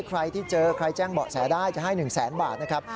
ใครที่เจอใครแจ้งเบาะแสได้จะให้๑แสนบาทนะครับ